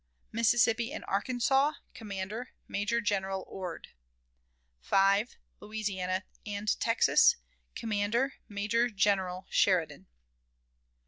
Mississippi and Arkansas, commander, Major General Ord; 5. Louisiana and Texas, commander, Major General Sheridan.